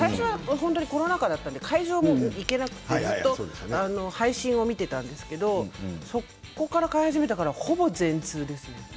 コロナ禍だったので会場に行けなくて配信を見ていたんですけどそこから通い始めたからほぼ全通ですね。